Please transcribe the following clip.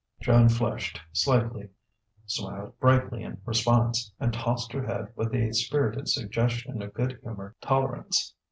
Joan flushed slightly, smiled brightly in response, and tossed her head with a spirited suggestion of good humoured tolerance.